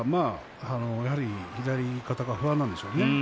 やはり左肩が不安なんでしょうね。